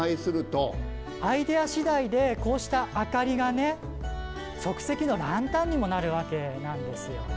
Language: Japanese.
アイデアしだいでこうした明かりがね即席のランタンにもなるわけなんですよね。